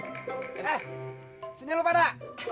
eh sini lu pada